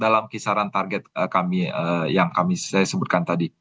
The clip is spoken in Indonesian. dalam kisaran target yang kami sebutkan tadi